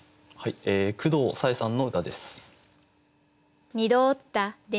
久藤さえさんの歌です。